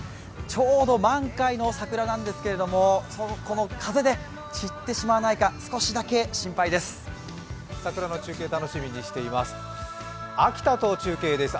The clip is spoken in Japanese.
ちょうど満開の桜なんですけれども、この風で散ってしまわないか、少しだけ心配です。